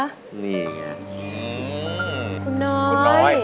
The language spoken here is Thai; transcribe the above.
คุณน้อย